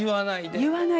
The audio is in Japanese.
言わないで。